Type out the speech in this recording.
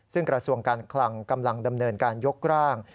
ซึ่งกระทรวงการคลังกำลังดำเนินการยกร่าง